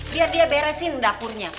biar dia beresin dapurnya